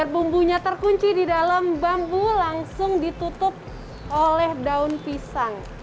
bumbunya terkunci di dalam bambu langsung ditutup oleh daun pisang